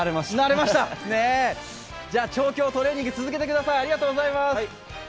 では調教トレーニング続けてください。